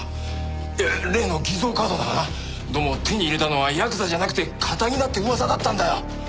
いや例の偽造カードだがなどうも手に入れたのはヤクザじゃなくてカタギだって噂だったんだよ。